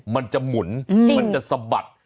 มันจะหมุนมันจะสะบัด